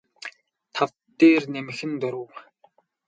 тав дээр нэмэх нь дөрөв